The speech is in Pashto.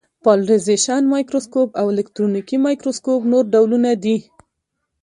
پالرېزېشن مایکروسکوپ او الکترونیکي مایکروسکوپ نور ډولونه دي.